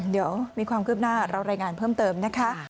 เดี๋ยวมีความคืบหน้าเรารายงานเพิ่มเติมนะคะ